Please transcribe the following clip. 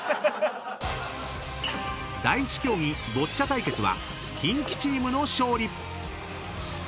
［第一競技ボッチャ対決はキンキチームの勝利］